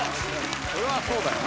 これはそうだよね。